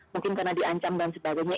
mungkin karena diancam dan sebagainya